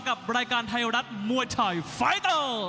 กับรายการไทยรัฐมวยไทยไฟเตอร์